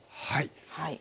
はい。